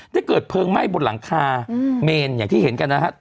ได้เกิดเพลิงไหม้บนหลังคาเมนอย่างที่เห็นกันนะฮะ